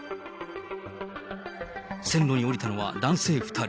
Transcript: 線路に下りたのは男性２人。